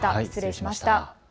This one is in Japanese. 失礼しました。